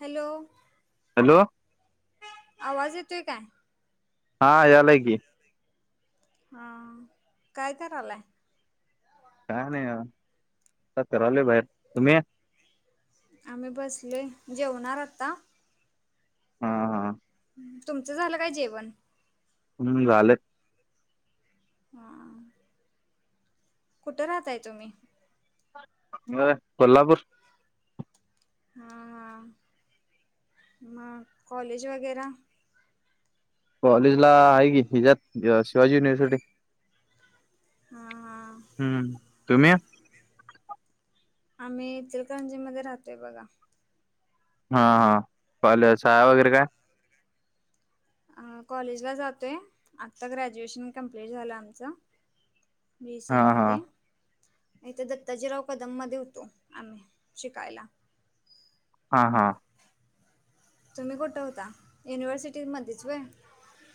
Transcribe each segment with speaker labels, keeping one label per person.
Speaker 1: Hello!
Speaker 2: Hello!
Speaker 1: आवाज येतोय काय?
Speaker 2: हा यालाय की.
Speaker 1: हां, काय करालाय?
Speaker 2: काय नाही ख आता फिरालोय बाहेर. तुम्ही?
Speaker 1: आम्ही बसलोय, जेवणार आता.
Speaker 2: हा हा,
Speaker 1: तुमचं झालं काय जेवण?
Speaker 2: हम्म झालं.
Speaker 1: हा. कुठं राहताय तुम्ही?
Speaker 2: म कोल्हापूर.
Speaker 1: हा हा, म कॉलेज वगैरा?
Speaker 2: कॉलेज ला आहे की हिज्यात अ शिवाजी युनिव्हसीटी.
Speaker 1: हा
Speaker 2: हम्म, तुम्ही?
Speaker 1: आम्ही इचलकरंजी मध्ये राहतोय बघा.
Speaker 2: हा हा, कॉलेज, शाळा वगैरे काय?
Speaker 1: आप कॉलेजला जातोय आत्ता ग्रॅज्युएशन कमप्लीट झालं आमचं, बी सि
Speaker 2: हा
Speaker 1: ऐ
Speaker 2: हा
Speaker 1: मध्ये, इथ दत्ताजीराव कदम मधे होतो आम्ही शिकायला.
Speaker 2: हा हा,
Speaker 1: तुम्ही कुठं होता? युनिव्हर्सिटी मध्येच व्हय.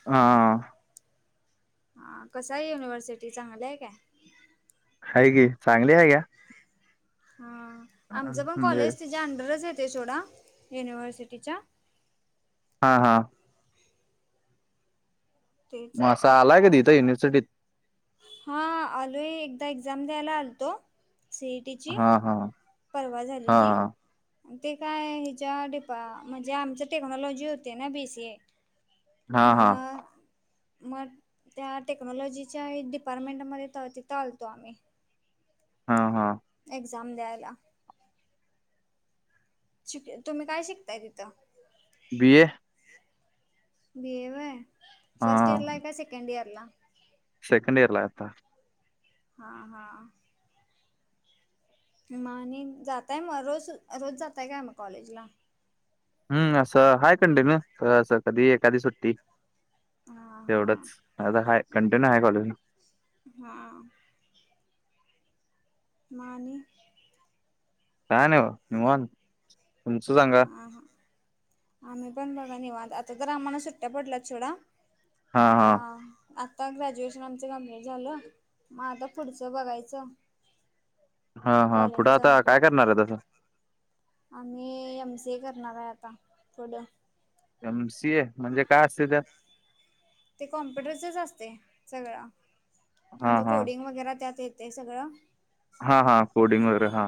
Speaker 2: हा.
Speaker 1: हा कसा आहे युनिव्हर्सिटी चांगली आहे काय?
Speaker 2: हाय की चांगली हाय घ्या.
Speaker 1: हा, आमच पण
Speaker 2: म्हणजे
Speaker 1: कॉलेज ती च्या अंडरच येतय सोडा युनिव्हर्सिटीच्या.
Speaker 2: हा हा,
Speaker 1: तेच
Speaker 2: म आसं आलाय कधी इथं युिव्हसिटीत?
Speaker 1: हा आलोय एकदा एक्झाम द्यायला आलतो सी ई
Speaker 2: हा हा.
Speaker 1: परवा झाली
Speaker 2: हा
Speaker 1: ती‌. अनं ते काय हेच्या डिपा म्हणजे आमच टेक्नॉलॉजी होते ना बी सी ए.
Speaker 2: [inaudible]
Speaker 1: म
Speaker 2: हा
Speaker 1: म त्या टेक्नॉलॉजीच्या डिपार्टमेंटमध्ये तवा तिथं आलतो आम्ही‌
Speaker 2: हा हा.
Speaker 1: एक्झाम द्यायला. शिक तुम्ही काय शिकताय तिथं?
Speaker 2: बी ए.
Speaker 1: बी ए व्हय,
Speaker 2: हा
Speaker 1: फर्स्ट इयर ला हाय का सेकंड इयरला
Speaker 2: सेकंड इयरला हाय आता.
Speaker 1: हा हा. म आणि जाताय म रोज, रोज जाताय काय म कॉलेजला
Speaker 2: हम्म असं हाय कंदे न अ असं कधी एखादी सुट्ट ट्टी
Speaker 1: हा हा
Speaker 2: तेवढंच नाय त हाय कंटिन्यू हाय कॉलेजला
Speaker 1: हा म आणि
Speaker 2: काय नाय ब निवांत तुमचं सांगा
Speaker 1: हा हा, आम्ही पण बघा निवांत आता जरा आम्हाला सुट्टया पडल्यात सोडा
Speaker 2: हा
Speaker 1: आता
Speaker 2: हा
Speaker 1: आता ग्रॅज्युएशन आमचं कमप्लिट झालं म आता पुढचं बघायचं
Speaker 2: हा हा पुढं आता
Speaker 1: कॉलेजचं
Speaker 2: काय करणारात आता
Speaker 1: आम्ही एम सी ए करणार आय आता पुढ
Speaker 2: एम सी ए म्हणजे काय असतय त्यात
Speaker 1: ते कॉम्प्युटरचच असतय सगळं
Speaker 2: हा
Speaker 1: म्हणजे
Speaker 2: हा
Speaker 1: कोडिंग वगैरे त्यात येतय सगळं
Speaker 2: हा हा कोडिंग वगैरे हां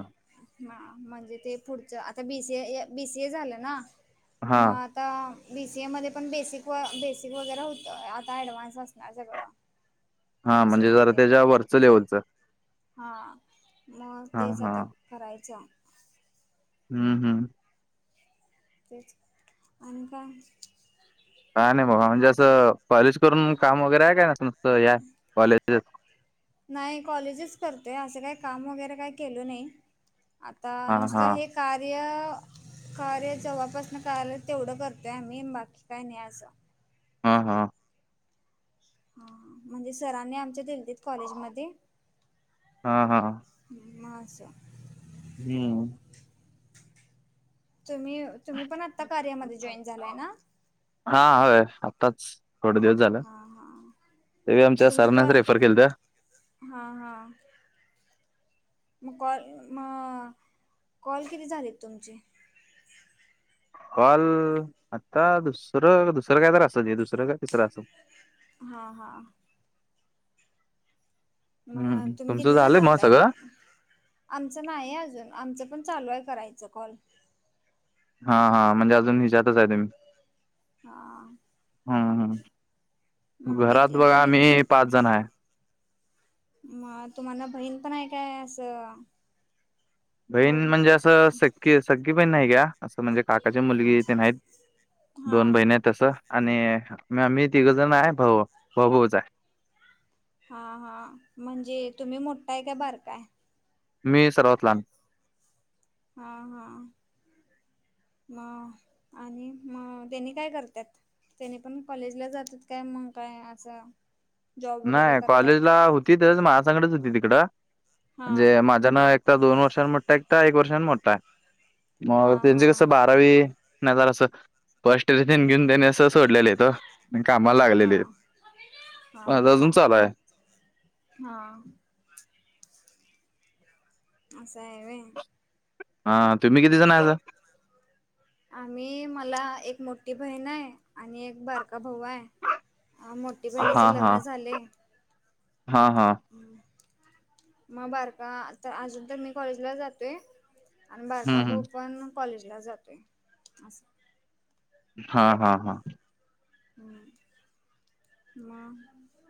Speaker 1: म आ म्हणजे ते पुढचं आता B C A, B C A झालं ना,
Speaker 2: हा
Speaker 1: म आ आता बी सी ए मध्ये पण बेसिक व बेसिक वगैरे होतं, आता ॲडव्हान्स असणारं सगळं.
Speaker 2: हा
Speaker 1: एम सी ए
Speaker 2: म्हणजे जरा
Speaker 1: मध्ये
Speaker 2: त्याच्या वरच लेवलच.
Speaker 1: हा, मग
Speaker 2: हा
Speaker 1: तेच
Speaker 2: हा
Speaker 1: आता करायचा
Speaker 2: हूं हूं
Speaker 1: तेच, आणि काय?
Speaker 2: काय नाय बघा म्हणजे असं, कॉलेज करून काम वगैरे हाय काय असं नुसतं या कॉलेजच
Speaker 1: नाय कॉलेजच करतोय असं काय काम वगैरे काय केलो नाय, आता
Speaker 2: हा हा
Speaker 1: नुसतं हे कार्य कार्य जव्हापासन कळालं तेवढं करतय आम्ही, बाकी काय नाय असं
Speaker 2: हा हा
Speaker 1: हा म्हणजे सरांनी आमच्या दिलतीत कॉलेजमध्ये
Speaker 2: हा हा
Speaker 1: हूं म असं
Speaker 2: हूं
Speaker 1: तुम्ही, तुम्ही पण आता कार्यामध्ये जॉईन झालाय ना?
Speaker 2: हा होय आत्ताच, थोडे दिवस झालं,
Speaker 1: हा हा
Speaker 2: ते बी
Speaker 1: मग
Speaker 2: आमच्या
Speaker 1: तुमची कॉ
Speaker 2: सरांनेच रेफर केलंत.
Speaker 1: हा हा म कॉल म, कॉल किती झालेत तुमचे?
Speaker 2: काॅल आता दुसरं, दुसरं काय तर असलं हे, दुसरं काय तिसरं असलं.
Speaker 1: हा, हा. मग,
Speaker 2: हम्म
Speaker 1: तुम्ही
Speaker 2: तुमचं
Speaker 1: किती जण
Speaker 2: झालंय मग
Speaker 1: राहताय.
Speaker 2: सगळं
Speaker 1: आमचं नाही अजून, आमचं पण चालू आहे करायचं कॉल.
Speaker 2: हा, हा म्हणजे अजून ह्याच्यातच आहे तुम्ही.
Speaker 1: हां.
Speaker 2: हा हा,
Speaker 1: मग
Speaker 2: घरात
Speaker 1: किती
Speaker 2: बघा
Speaker 1: तुम्ही
Speaker 2: आम्ही पाच जण आहे.
Speaker 1: मग तुम्हाला बहीण पण आहे काय असं.
Speaker 2: बहीण
Speaker 1: भाऊ
Speaker 2: म्हणजे असं सख्खी सख्खी बहीण नाही घ्या, असं म्हणजे काकाची मुलगी तेन हायत.
Speaker 1: हा.
Speaker 2: तसं आणि आम्ही तिघंजणच आहे. भाऊ, भाऊ भाऊच आहे.
Speaker 1: हा हा, म्हणजे तुम्ही मोठाय का बारकाय.
Speaker 2: मी सर्वात लहान.
Speaker 1: हा हा. मग, आणि मग तेनी काय करत्यात. त्यानी पण कॉलेजला जातात, काय मग काय असं. जॉब वगैरे
Speaker 2: नाही
Speaker 1: करतात.
Speaker 2: कॉलेजला होती तर माझ्यासंगटच होती तिकडं,
Speaker 1: हा
Speaker 2: म्हणजे माझ्यान एक दोन वर्षान मोठा एकटा एकटाय, एक वर्षान मोठाय,
Speaker 1: हा
Speaker 2: मग त्यांच
Speaker 1: हा
Speaker 2: कस बार रावी, मग जरास फर्स्ट तेन घेऊन त्याने असं सोडलेलीत ओ, आणि
Speaker 1: हा
Speaker 2: कामाला लागलेलीत.
Speaker 1: हा हा, हा, हा. असं आहे होय.
Speaker 2: हा, तुम्ही किती जण हायसा.
Speaker 1: आम्ही, मला एक मोठी बहिणाय, आणि एक बारका भाऊ हाय. आ, मोठी बहिणीच
Speaker 2: हा हा
Speaker 1: लग्न झालय.
Speaker 2: हा हा
Speaker 1: मग बारका तर अजून तर मी कॉलेजला जातोय. आणि
Speaker 2: हम्म
Speaker 1: बारका भाऊ
Speaker 2: हम्म
Speaker 1: पण कॉलेज ला जातोय, असं.
Speaker 2: हां, हां, हां.
Speaker 1: हम्म मग.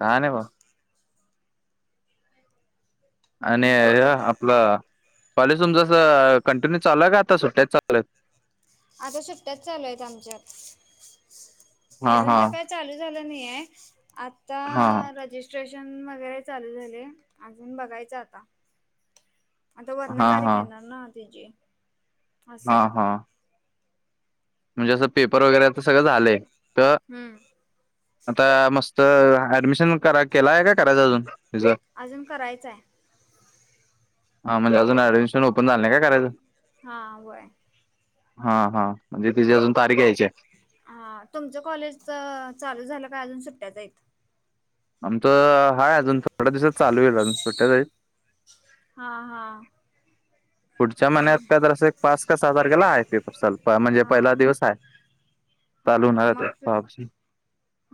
Speaker 2: काय नाही बघ‌. आणि
Speaker 1: मग
Speaker 2: हे
Speaker 1: कुठं
Speaker 2: आपलं कॉलेज तुमच अस कंटिन्यू चालुय, का आता सुट्ट्यात चालूयत.
Speaker 1: आता सुट्टयाच चालू आहेत आमच्या.
Speaker 2: हा
Speaker 1: अजून
Speaker 2: हा
Speaker 1: तर काय चालू झालं नाहीय. आता
Speaker 2: हा, हा.
Speaker 1: रजिस्ट्रेशन वगैरे चालू झालय, अजून बघायचं आता. आता वरन
Speaker 2: हा
Speaker 1: तारीख येणार ना तेची.
Speaker 2: हां, हां म्हणजे असं पेपर वगैरे च सगळं झालंय. तर
Speaker 1: हम्म
Speaker 2: आता मस्त ऍडमिशन करा केलाय का करायचंयअजून. त्येच,
Speaker 1: अजून करायचं आहे
Speaker 2: हां म्हणजे, अजून ॲडमिशन ओपन झालं नाही का करायच
Speaker 1: हा होय.
Speaker 2: हा, हा म्हणजे अजून तिची अजून तारीख यायचीय.
Speaker 1: हा, तुमचं कॉलेजच चालू झालं काय, अजून सुट्ट्याच हाईत.
Speaker 2: आमच हाय अजून थोड्या दिवसात चालू होईल. अजून सुट्ट्याच हायत.
Speaker 1: हा हा
Speaker 2: पुढच्या महिन्यात आता जरास. पाच का साहा तारखेला आहे पेपर चालू. पा म्हणजे
Speaker 1: हा
Speaker 2: पहिला दिवस आहे चालू
Speaker 1: हा
Speaker 2: होणार [unintelligible]
Speaker 1: मग
Speaker 2: हा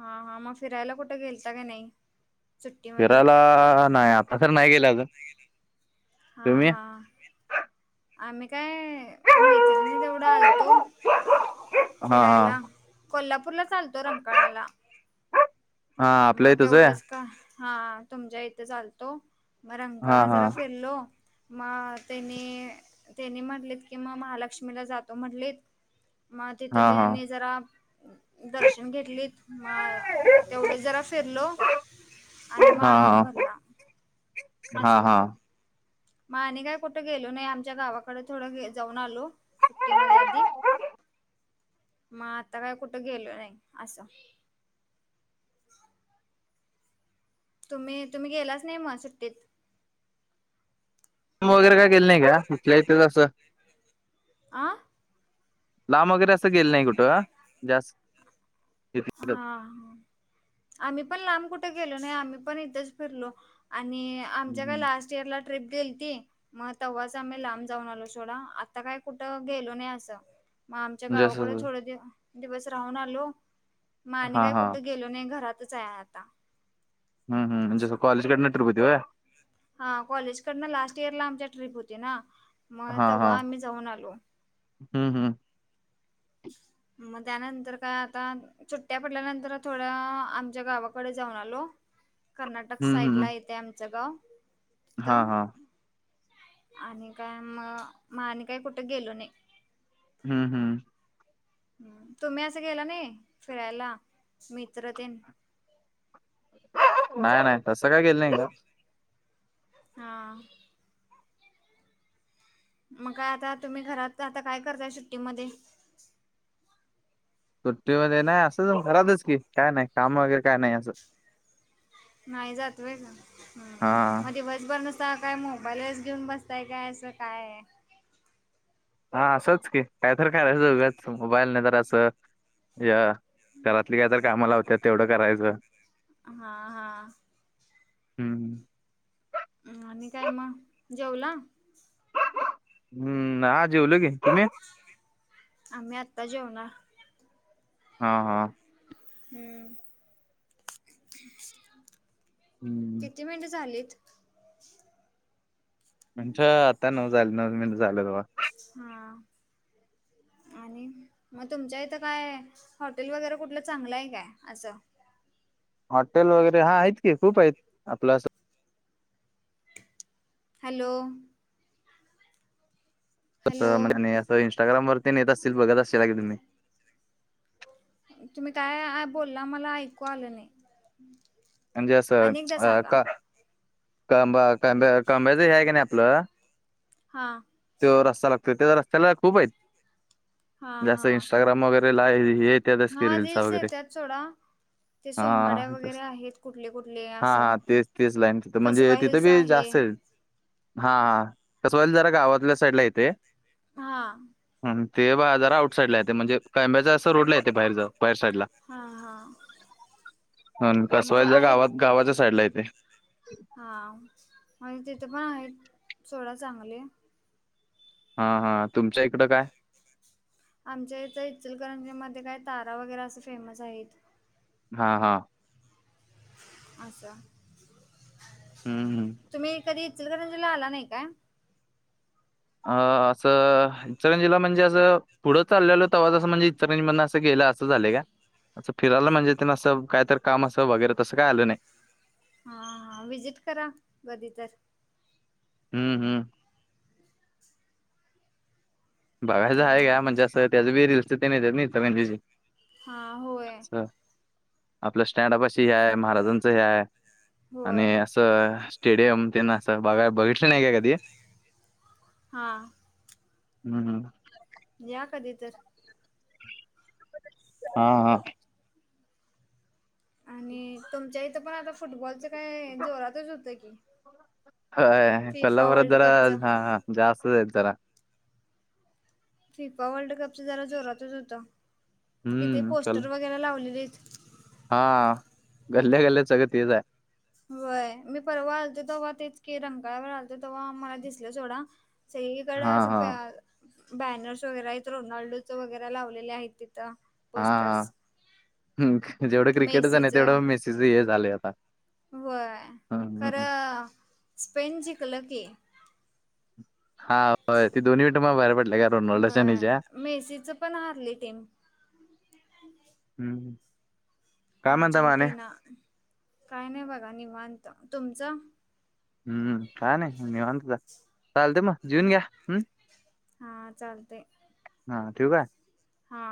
Speaker 1: हा हा, मग फिरायला कुठे गेलता का नाही. सुट्टीमध्ये
Speaker 2: फिरायला नाही आता तर नाही गेला ग.
Speaker 1: हा हा, आम्ही काय मैत्रिणी तेवढा आलतो
Speaker 2: हा हा
Speaker 1: फिरायला. कोल्हापूरला आलतो रंकाळाला.
Speaker 2: हा आपल्या
Speaker 1: मग
Speaker 2: इथंच आहे
Speaker 1: तेवढंच का? हा, तुमच्या इथं आलतो मग
Speaker 2: हा
Speaker 1: रंगाळा
Speaker 2: हा
Speaker 1: जरा फिरलो. मग त्यानी त्यानी म्हटलेत की मग महालक्ष्मीला जातो म्हंटलीत. मग तिथं
Speaker 2: हा हा
Speaker 1: त्यांनी जरा दर्शन घेतली मग आ तेवढंच. जरा फिरलो आणि मग आलो
Speaker 2: हा
Speaker 1: घरला.
Speaker 2: हा हा,
Speaker 1: म आणि काय कुठं गेलो नाही आमच्या गावाकडे थोडं गे जाऊन आलो. सुट्टी म आधी मग आता काय कुठं गेलो नाही असं. तुम्ही तुम्ही गेलाच नाही मग सुट्टीत.
Speaker 2: लांब वगैर काय गेले नाही ग इथल्या इथेच असं.
Speaker 1: ''आं''
Speaker 2: लांब वगैरे असं गेलं नाही कुठं जास्त. इथं- इथंच.
Speaker 1: हा, आम्ही पण लांब कुठे गेलो नाही आम्ही पण इथंच फिरलो आणि आमच्या काय
Speaker 2: हम्म.
Speaker 1: लास्ट इयरला. ट्रीप गेलती. मग तेव्हाच आम्ही लांब जाऊन आलो सोडा आता काय कुठं गेलो नाही असं. मग आमच्या
Speaker 2: म्हणजे
Speaker 1: गावाकडें
Speaker 2: असं
Speaker 1: थोड दिव दिवस राहून आलो. मा आणि
Speaker 2: हा
Speaker 1: काय
Speaker 2: हा
Speaker 1: कुठं गेलो नाही घरातच आहे आता.
Speaker 2: हम्म हम्म, म्हणजे
Speaker 1: असं
Speaker 2: तू कॉलेज कडन ट्रीप होती होय.
Speaker 1: हा, कॉलेजकडन लास्ट इयरला आमच्या ट्रीप होती ना मग तेव्हा आम्ही जाऊन आलो.
Speaker 2: हम् हम्,
Speaker 1: मग त्यानंतर काय आता. सुट्ट्या पडल्यानंतर थोड्या आमच्या गावाकडे जाऊन आलो. कर्नाटक
Speaker 2: हं,
Speaker 1: साईड
Speaker 2: हं.
Speaker 1: ला येते आमचं गाव त.
Speaker 2: हां, हां.
Speaker 1: आणि काय मग मग आणि काय कुठे गेलो नाही.
Speaker 2: हम्म हम्म,
Speaker 1: हम्, तुम्ही असं गेला नाही फिरायला मित्रतेन.
Speaker 2: नाही नाही तसं काय केेलं नाही ग.
Speaker 1: हा, मग काय आता तुम्ही घरात आता काय करताय सुट्टीमध्ये.
Speaker 2: सुट्टीमध्ये नाही असं घरातच की, काय नाही काम वगैरे काय नाही असं.
Speaker 1: नाही जात व्हय ग हम,
Speaker 2: हां,
Speaker 1: म दिवसभर नस ''--'' ता काय मोबाईलच घेऊन बसताय काय असं काय.
Speaker 2: हा असंच की कायतरी करायचं उगाच मोबाईल नाही तर असं या. घरातली कायतरी कामा लावत्या तेवढं करायचं.
Speaker 1: हा हा,
Speaker 2: हम्म,
Speaker 1: हम, आणि काय मग जेवला.
Speaker 2: हम्म जेवलो की. तुम्ही?
Speaker 1: आम्ही आत्ता जेवणार
Speaker 2: हा हा
Speaker 1: हम्म
Speaker 2: हं.
Speaker 1: किती मिनिट झालेत?
Speaker 2: मिंट आता नऊ झाली, नऊ मिनट झाली बगा.
Speaker 1: हा आणि मग तुमच्या इथं काय हॉटेल वगैरे कुठलं चांगलं आहे काय असं?
Speaker 2: हॉटेल वगैरे हा आहेत. की खूप आहेत आपलं
Speaker 1: हॅलो हॅलो
Speaker 2: तं म्हणजे असं इंस्टाग्रामरती नेत असतील. बघत असेल का की तुम्ही?
Speaker 1: तुम्ही काय बोलला मला ऐकू आलं नाही.
Speaker 2: म्हणजे असं
Speaker 1: अनेकदा
Speaker 2: अ
Speaker 1: सांगा
Speaker 2: कांबा कांब कांब्याच आहे. कानी आपलं
Speaker 1: हा
Speaker 2: तो रस्ता लागतो. त्या रस्त्याला खूप आहेत.
Speaker 1: हां
Speaker 2: म्हणजे अस
Speaker 1: हां
Speaker 2: इंस्टाग्राम वगैरे ला हे की
Speaker 1: हा
Speaker 2: रील्स वगैरे
Speaker 1: येतात सोडा ते
Speaker 2: हा
Speaker 1: सोंगाड्या वगैरे आहेत कुठले कुठले?
Speaker 2: हा
Speaker 1: असं
Speaker 2: हा तेच तेच लाईन तिथं म्हणजे
Speaker 1: कसवा
Speaker 2: तिथं
Speaker 1: हिल्स
Speaker 2: बी जास्त आहे. हा हा पाहिल जरा गावातल्या साईड ला येते.
Speaker 1: हा
Speaker 2: ह ते पहा जरा आउट साईड ला येत. म्हणजे कंब्याच्या असं रोड ला येते. बाहेर च्या बाहेरच्या साईडला
Speaker 1: हा हा म्हणजे
Speaker 2: कसवालच्या
Speaker 1: आहेत
Speaker 2: गावात गावाच्या साईडला येते.
Speaker 1: हा मग तिथे पण आहेत सोडा चांगले.
Speaker 2: हा हा तुमच्या इकडं काय?
Speaker 1: आमच्या इथं इचलकरंजी मध्ये काय तारा वगैरे असे फेमस आहेत.
Speaker 2: हा हा
Speaker 1: असं!
Speaker 2: हं, हं.
Speaker 1: तुम्ही कधी इचलकरंजीला आला नाही काय?
Speaker 2: अ असं इचकरंजिला म्हणजे असं! पुढं चाललेल हो तव्हा तसं म्हणजे इचलकरंजी मधन असं गेलं. असं झालंय का? असं फिरायला. म्हणजे त्यां असं काय तर काम असं वगैरे तसं काय आलो नाही.
Speaker 1: हा हा विजिट करा कधी तर
Speaker 2: हम्म हम्म बघायचं
Speaker 1: हा
Speaker 2: आहे. का म्हणजे असं त्याच बी रीलल्सच ते येत नाही इचलकरंजीची [unintelligible]
Speaker 1: हा होय!
Speaker 2: असं आपलं स्टँड पाशी हे आहे महाराजांच हे आहे.
Speaker 1: होय
Speaker 2: आणि असं स्टेडियम ते असं बघा बघितलं नाही काय कधी?
Speaker 1: हां
Speaker 2: म्हणून
Speaker 1: या कधी तर
Speaker 2: हा हा
Speaker 1: आणि तुमच्या इथं पण आता फुटबॉलच काय जोरातच होतं की.
Speaker 2: अ पल
Speaker 1: फिफा
Speaker 2: बर
Speaker 1: वर्ल्ड
Speaker 2: दर
Speaker 1: कपच
Speaker 2: हा ह जास्त जरा
Speaker 1: फिफा वर्ल्ड कपच जरा जोरातच होत. कि ते
Speaker 2: हं.
Speaker 1: पोस्टर वगैरे लावलेत.
Speaker 2: हा गल्ले गल्ल्या सगळ तेच आहे
Speaker 1: वय मी परवा आलतो तेव्हा तेच की रंगकाळावर आलतो तेव्हा मला दिसलं सोडा सगळीकड अस
Speaker 2: हां,
Speaker 1: प्या
Speaker 2: हां.
Speaker 1: बॅनर्स वगैरे आहेत रोनाल्डोच वगैरे लावलेले आहेत तिथं
Speaker 2: हा,
Speaker 1: पोस्टर्स
Speaker 2: हा जेवढं क्रिकेटच नाही
Speaker 1: मेसीच
Speaker 2: तेवढं मेसच हे झाले आता
Speaker 1: होय
Speaker 2: हं, हं, हं.
Speaker 1: खरं स्पेन जिंकलं की
Speaker 2: हा होय ती दोन्ही मिनट म बाहेर पडले का रोनॉल्ड च्या न ह्याज्या
Speaker 1: बर मेसीच पण हारली टीम
Speaker 2: हम्म
Speaker 1: अर्जंटिना काय नाही बघा निवांत तुमचं
Speaker 2: हम्म का नाही निवत चालते मग जिऊन घ्या हम्
Speaker 1: हा चालतय
Speaker 2: हा ठेवू काय
Speaker 1: हा